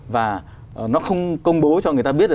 và nó không công bố cho người ta biết